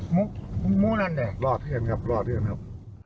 มู๊มู๊นั่นแห่งรอดรอดดูเห็นครับ